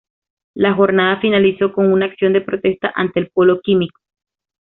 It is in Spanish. La jornada finalizó con una acción de protesta ante el polo químico